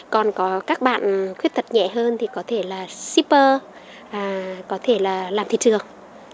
còn có các bạn khuyết tật nhẹ hơn thì có thể là shipper có thể là làm thị trường